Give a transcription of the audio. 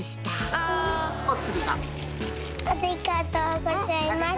ありがとうございます。